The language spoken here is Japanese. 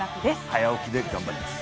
早起きで頑張ります